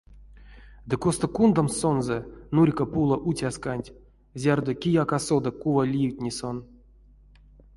Ды косто кундамс сонзэ, нурька пуло уцясканть, зярдо кияк а соды, кува ливтни сон?